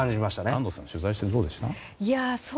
安藤さん、取材してどうでした？